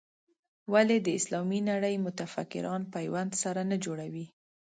ولې د اسلامي نړۍ متفکران پیوند سره نه جوړوي.